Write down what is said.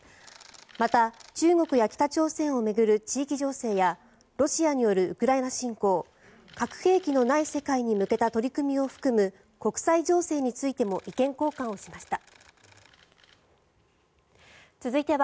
また、中国や北朝鮮を巡る地域情勢やロシアによるウクライナ侵攻核兵器のない世界に向けた取り組みを含む国際情勢についても意見交換をしました。